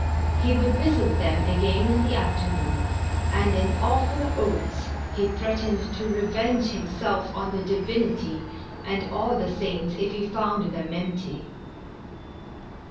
He would visit them again in the after noon, and, in awful oaths, he threatened to revenge him self on the Divinity and all the saints if he found them empty.